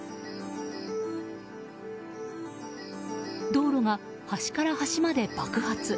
道路が端から端まで爆発。